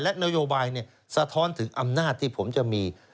และนโยบายสะท้อนถึงอำนาจที่ผมจะมี